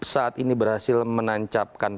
saat ini berhasil menancapkan